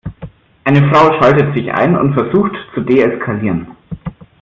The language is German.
Eine Frau schaltet sich ein und versucht zu deeskalieren.